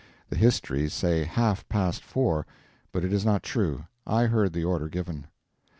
The histories say half past four, but it is not true, I heard the order given.